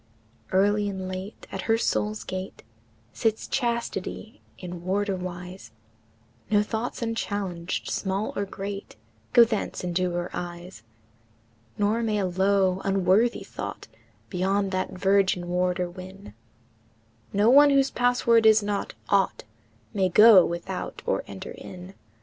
VI. Early and late, at her soul's gate, Sits Chastity in warderwise, No thoughts unchallenged, small or great, Go thence into her eyes; Nor may a low, unworthy thought Beyond that virgin warder win, Nor one, whose password is not "ought," May go without or enter in.